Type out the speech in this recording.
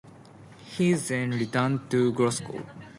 He then returned to Glasgow.